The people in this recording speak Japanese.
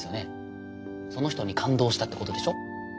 その人に感動したってことでしょ？